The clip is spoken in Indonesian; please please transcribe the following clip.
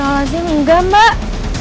tepi walao zing enggak mbak